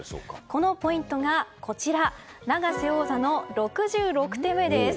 このポイントが永瀬王座の６６手目です。